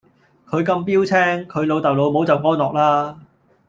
佢咁標青，佢老豆老母就安樂啦